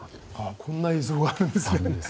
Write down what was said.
こんな映像があるんですね。